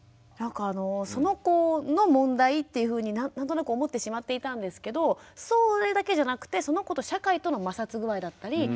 なんかその子の問題っていうふうに何となく思ってしまっていたんですけどそれだけじゃなくてその子と社会との摩擦具合だったり